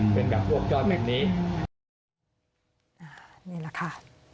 เป็นแบบพวกยอดแบบนี้อ่านี่แหละค่ะ